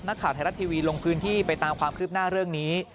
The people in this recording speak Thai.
ข่าวไทยรัฐทีวีลงพื้นที่ไปตามความคืบหน้าเรื่องนี้